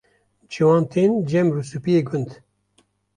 Ciwan tên cem rûspiyê gund.